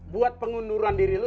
buat pengunduran diri lo